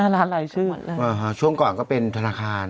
๕๕ล้านรายชื่อค่ะวันเลยอ่าช่วงก่อนก็เป็นธนาคาร